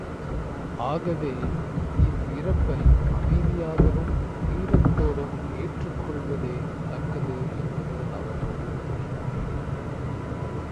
ஆகவே, இவ்விறப்பை அமைதியாகவும் வீரத்தோடும் ஏற்றுக்கொள்வதே தக்கது என்பது அவர்கள் துணிவு.